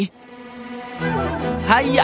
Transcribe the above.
kau akan mencoba